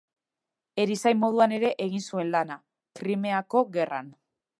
Erizain moduan ere egin zuen lana, Krimeako Gerran.